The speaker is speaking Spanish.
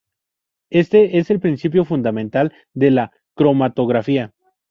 Éste es el principio fundamental de la cromatografía.